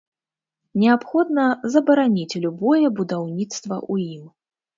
Неабходна забараніць любое будаўніцтва ў ім.